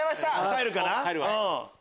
帰るかな？